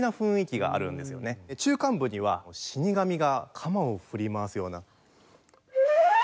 中間部には死神が鎌を振り回すような。